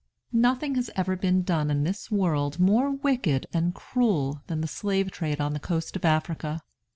Nothing has ever been done in this world more wicked and cruel than the slave trade on the coast of Africa.